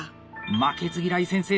「負けず嫌い先生」